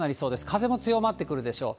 風も強まってくるでしょう。